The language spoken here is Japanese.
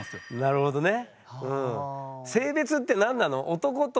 なるほどね。